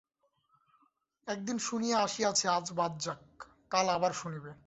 একদিন শুনিয়া আসিয়াছে, আজ বাদ যাক, কাল আবার শুনিবে।